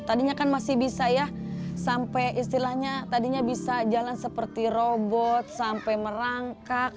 tadinya kan masih bisa ya sampai istilahnya tadinya bisa jalan seperti robot sampai merangkak